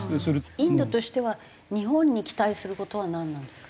インドとしては日本に期待する事はなんなんですか？